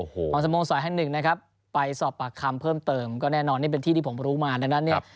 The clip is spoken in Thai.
ของสโมสรแห่งหนึ่งนะครับไปสอบปากคำเพิ่มเติมก็แน่นอนนี่เป็นที่ที่ผมรู้มาดังนั้นเนี่ย